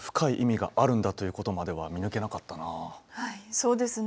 そうですね。